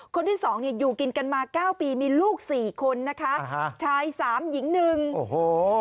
คนที่สองเนี่ยอยู่กินกันมาเก้าปีมีลูกสี่คนนะคะชายสามหญิงหนึ่งโอ้โห